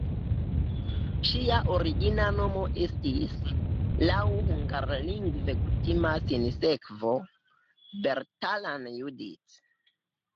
Ŝia origina nomo estis (laŭ hungarlingve kutima sinsekvo) "Bertalan Judit".